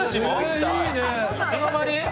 いつの間に？